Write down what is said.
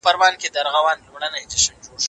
سپورت د ناروغانو ژوند آسانوي.